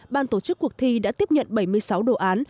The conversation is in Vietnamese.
ban tổ chức cuộc thi đã tiếp nhận bảy mươi sáu đồ án